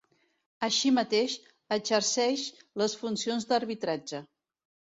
Així mateix, exerceix les funcions d'arbitratge.